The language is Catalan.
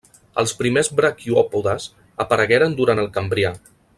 Els primers braquiòpodes aparegueren durant el cambrià.